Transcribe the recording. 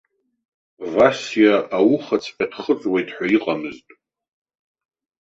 Васиа аухаҵәҟьа дхыҵуеит ҳәа иҟамызт.